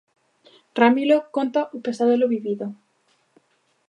Ramilo conta o pesadelo vivido.